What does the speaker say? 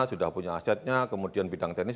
sudah punya asetnya kemudian bidang teknis